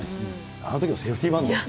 あのときのセーフティーバント。